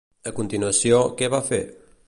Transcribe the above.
A continuació, què va fer?